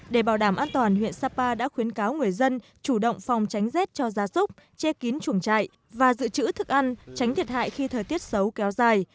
để bảo đảm an toàn huyện sapa đã khuyến cáo người dân chủ động phòng tránh rét cho gia súc che kín chuồng trại và dự trữ thức ăn tránh thiệt hại khi thời tiết xấu kéo dài